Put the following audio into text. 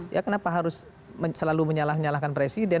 ya kenapa harus selalu menyalahkan presiden